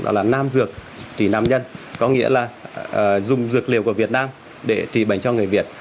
đó là nam dược trí nam nhân có nghĩa là dùng dược liều của việt nam để trị bệnh cho người việt